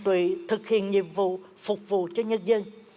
tự tụy thực hiện nhiệm vụ phục vụ cho nhân dân